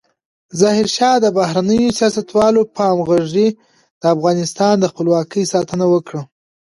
ظاهرشاه د بهرنیو سیاستونو په همغږۍ د افغانستان د خپلواکۍ ساتنه وکړه.